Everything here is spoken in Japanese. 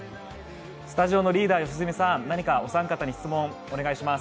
スタジオのリーダー良純さん、お三方に質問、お願いします。